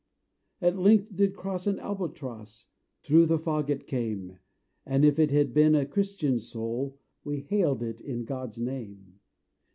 At length did cross an Albatross, Thorough the fog it came; As if it had been a Christian soul, We hailed it in God's name.